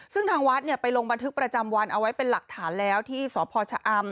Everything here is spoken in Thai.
ซึ่งทางวัดไปลงบันทึกประจำวันเอาไว้เป็นหลักฐานแล้วที่สพชะอำ